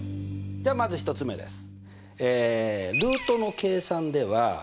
じゃまず１つ目です。